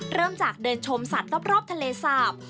เริ่มจากเดินชมสัตว์รอบทะเลสาบ